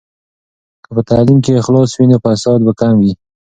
که په تعلیم کې اخلاص وي، نو فساد به کم وي.